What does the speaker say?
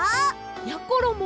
やころも